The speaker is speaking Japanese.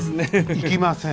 行きません。